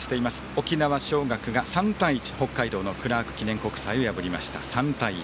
沖縄尚学が３対１北海道のクラーク記念国際を破りました、３対１。